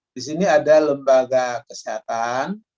di sini ada lembaga kesehatan